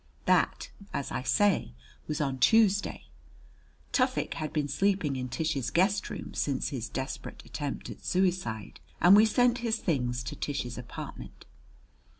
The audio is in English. That, as I say, was on Tuesday. Tufik had been sleeping in Tish's guest room since his desperate attempt at suicide, and we sent his things to Tish's apartment.